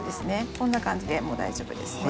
こんな感じでもう大丈夫ですね。